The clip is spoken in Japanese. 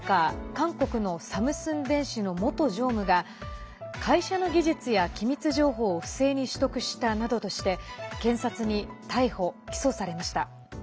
韓国のサムスン電子の元常務が会社の技術や機密情報を不正に取得したなどとして検察に逮捕・起訴されました。